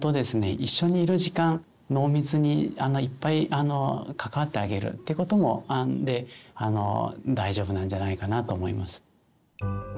一緒にいる時間濃密にいっぱい関わってあげるってことで大丈夫なんじゃないかなと思います。